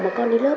mà con đi lớp